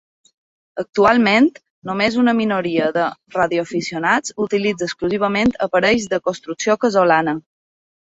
Actualment, només una minoria de radioaficionats utilitza exclusivament aparells de construcció casolana.